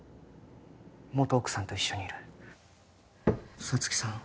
元奥さんと一緒にいる沙月さん